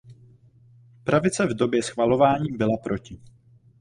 Pravice v době schvalování byla proti.